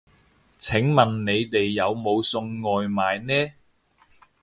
請問你哋有冇送外賣呢